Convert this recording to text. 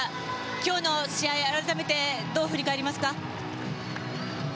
今日の試合、改めてどう振り返りますか？